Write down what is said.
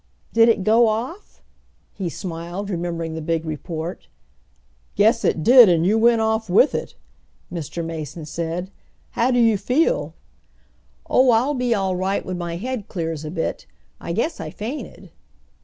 "Did it go off?" he smiled, remembering the big report. "Guess it did, and you went off with it," Mr. Mason said. "How do you feel?" "Oh, I'll be all right when my head clears a bit. I guess I fainted."